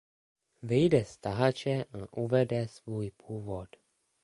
Vyjde z tahače a uvede svůj původ.